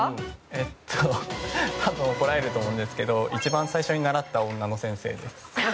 「えっと多分怒られると思うんですけど一番最初に習った女の先生です」